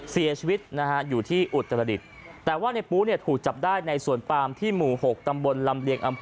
เสียชีวิตอยู่ที่อุตารฤทธิประชุน